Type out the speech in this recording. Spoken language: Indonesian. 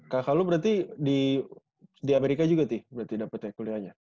kakak lu berarti di amerika juga sih berarti dapet kuliahnya